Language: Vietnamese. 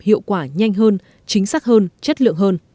hiệu quả nhanh hơn chính xác hơn chất lượng hơn